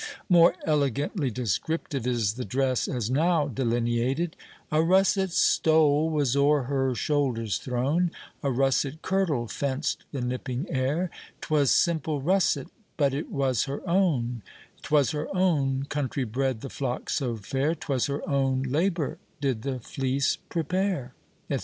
More elegantly descriptive is the dress as now delineated: A russet stole was o'er her shoulders thrown, A russet kirtle fenced the nipping air; 'Twas simple russet, but it was her own: 'Twas her own country bred the flock so fair, 'Twas her own labour did the fleece prepare, &c.